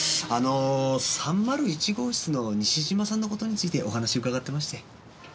あの３０１号室の西島さんの事についてお話伺ってまして。